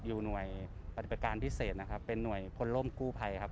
อยู่หน่วยปฏิบัติการพิเศษนะครับเป็นห่วยพลล่มกู้ภัยครับ